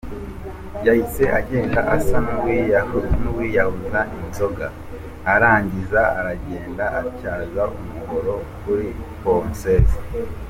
Yahise agenda asa n’uwiyahuza inzoga, arangije aragenda atyaza umuhoro kuri ’ponceuse’.